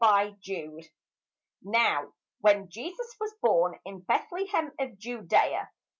BETHLEHEM _Now when Jesus was born in Bethlehem of Judea.